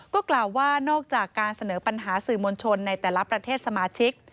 ก็กล่าวว่านอกจากการเสนอปัญหาสื่อมวลชนในแต่ละประเทศสมาชิก